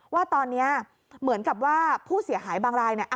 ว่าตอนนี้เหมือนกับว่าผู้เสียหายบางรายเนี่ย